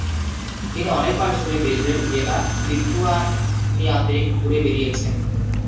তিনি অনেক মাস ধরে বেলগ্রেড, ভিয়েনা, লিথুয়ানিয়াতে ঘুরে বেড়িয়েছেন।